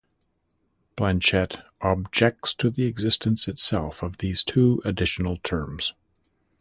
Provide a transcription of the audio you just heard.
Blanchet objects to the existence itself of these two additional terms.